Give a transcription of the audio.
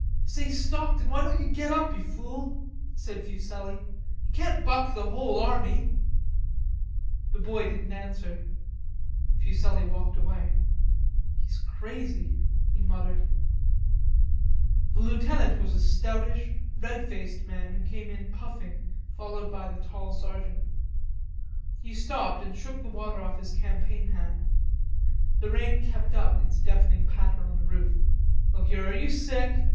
"Say, Stockton, why don't you get up, you fool?"' said Fuselli. "You can't buck the whole army." The boy didn't answer. Fuselli walked away. "He's crazy," he muttered. The lieutenant was a stoutish red faced man who came in puffing followed by the tall sergeant. He stopped and shook the water off his Campaign hat. The rain kept up its deafening patter on the roof. "Look here, are you sick?